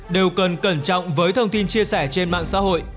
đều cần cẩn trọng với thông tin chia sẻ trên mạng xã hội